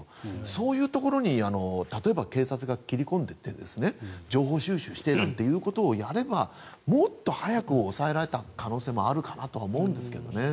そういうところに例えば、警察が切り込んでって情報収集しているなんてことをやればもっと早く押さえられた可能性もあるかなとは思うんですけどね。